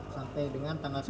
sampai dengan tanggal sembilan